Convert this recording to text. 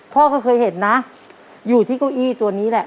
พ่อก็เคยเห็นนะอยู่ที่เก้าอี้ตัวนี้แหละ